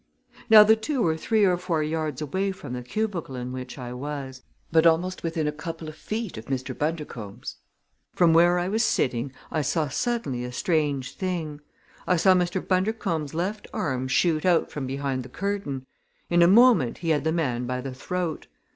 Now the two were three or four yards away from the cubicle in which I was, but almost within a couple of feet of Mr. Bundercombe's. From where I was sitting I saw suddenly a strange thing. I saw Mr. Bundercombe's left arm shoot out from behind the curtain. In a moment he had the man by the throat.